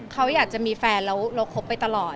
เขาอยากจะมีแฟนแล้วเราคบไปตลอด